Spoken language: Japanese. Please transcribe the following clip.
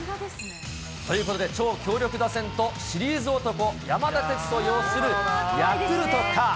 ということで超強力打線とシリーズ男、山田哲人擁するヤクルトか。